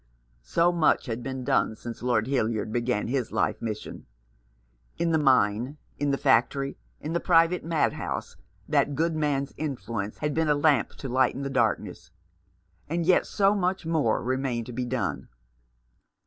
So much had been done since Lord Hildyard began his life mission ! In the mine, in the factory, in the private madhouse, that good man's influence had been a lamp to lighten the darkness. And yet so much remained to be done.